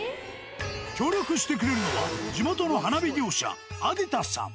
協力してくれるのは、地元の花火業者、アディタさん。